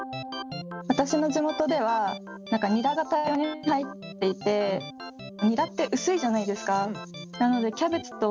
私の地元ではニラが大量に入っていてニラって薄いじゃないですか。